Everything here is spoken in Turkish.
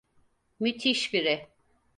Müthiş biri.